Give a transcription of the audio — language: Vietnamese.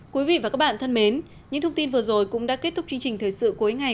quý vị và các bạn thân mến những thông tin vừa rồi cũng đã kết thúc chương trình thời sự cuối ngày